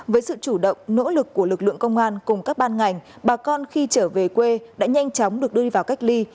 với sự chủ động nỗ lực của lực lượng công an cùng các ban ngành bà con khi trở về quê đã nhanh chóng được đưa đi vào cách ly